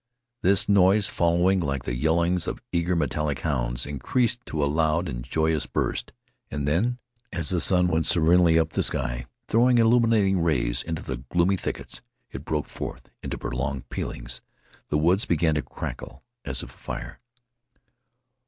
This noise, following like the yellings of eager, metallic hounds, increased to a loud and joyous burst, and then, as the sun went serenely up the sky, throwing illuminating rays into the gloomy thickets, it broke forth into prolonged pealings. The woods began to crackle as if afire.